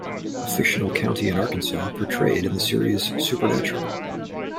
A fictional county in Arkansas portrayed in the series "Supernatural".